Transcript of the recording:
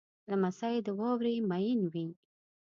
لمسی د واورې مین وي.